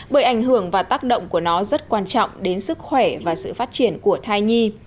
bởi ảnh hưởng và tác động của nó rất quan trọng đến sức khỏe và sự phát triển của thai nhi